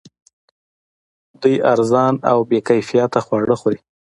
دوی ارزان او بې کیفیته خواړه خوري